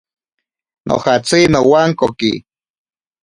Nojatsi iwankoki.